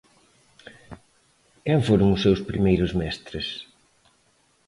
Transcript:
Quen foron os seus primeiros mestres?